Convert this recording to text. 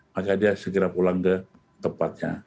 maka dia segera pulang ke tempatnya